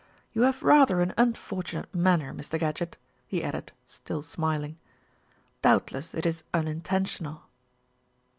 You have rather an unfortunate manner, Mr. Gadgett," he added, still smiling. "Doubtless it is unintentional."